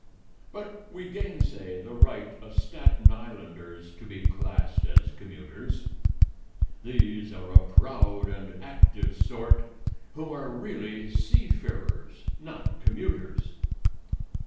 But we gain say the right of Staten Islanders to be classed as commuters. These are a proud and active sort who are really seafarers, not commuters.